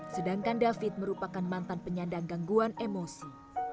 sedangkan david merupakan mantan penyandang gangguan emosi